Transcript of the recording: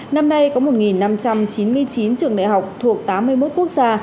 năm nay có một năm trăm chín mươi chín trường đại học thuộc tám mươi một quốc gia